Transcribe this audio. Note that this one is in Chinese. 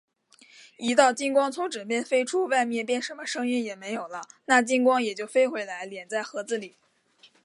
一道金光从枕边飞出，外面便什么声音也没有了，那金光也就飞回来，敛在盒子里。